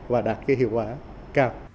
và đạt cái hiệu quả cao